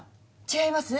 違います？